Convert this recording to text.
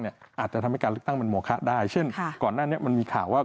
อาจจะทำให้การเลือกตั้งเป็นโมคะได้เช่นก่อนหน้านี้มันมีข่าวว่า